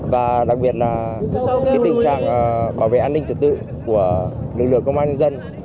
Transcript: và đặc biệt là tình trạng bảo vệ an ninh trật tự của lực lượng công an nhân dân